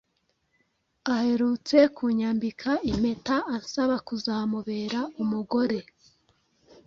aherutse kunyambika impeta ansaba kuzamubera umugore